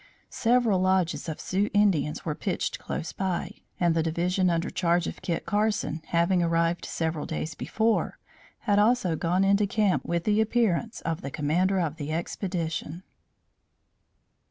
Several lodges of Sioux Indians were pitched close by, and the division under charge of Kit Carson having arrived several days before, had also gone into camp with the appearance of the commander of the expedition.